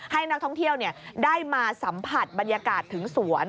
ให้นักท่องเที่ยวได้มาสัมผัสบรรยากาศถึงสวน